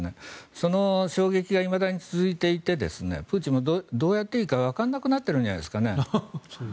その衝撃がいまだに続いていてプーチンもどうやっていいかわからなくなっているんじゃないですかね。